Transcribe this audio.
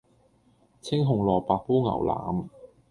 青紅蘿蔔煲牛腩